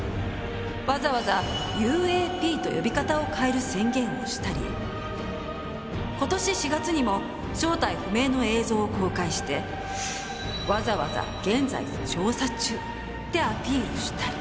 わざわざ「ＵＡＰ」と呼び方を変える宣言をしたり今年４月にも正体不明の映像を公開してわざわざ「現在調査中」ってアピールしたり。